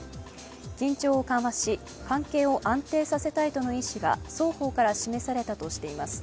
緊張を緩和し、関係を安定させたいとの意思が双方から示されたとしています。